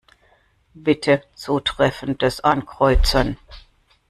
Bitte Zutreffendes Ankreuzen.